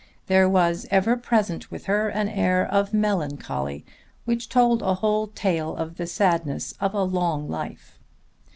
There was ever present with her an air of melancholy which told a whole tale of the sadness of a long life.